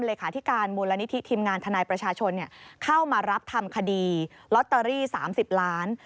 เลขาธิการมูลนิธิทีมงานทนายประชาชนเข้ามารับทำคดีลอตเตอรี่๓๐ล้าน